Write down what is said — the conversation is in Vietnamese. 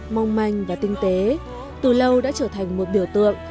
mong manh và tinh tế từ lâu đã trở thành một biểu tượng